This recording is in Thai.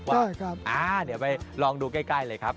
ได้ครับอ่าเดี๋ยวไปลองดูใกล้เลยครับ